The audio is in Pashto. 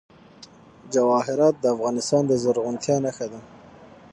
جواهرات د افغانستان د زرغونتیا نښه ده.